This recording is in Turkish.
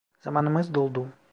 Zamanımız doldu.